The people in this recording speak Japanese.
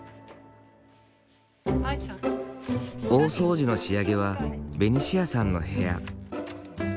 大掃除の仕上げはベニシアさんの部屋。